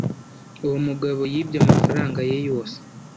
uwo mugabo yibye amafaranga ye yose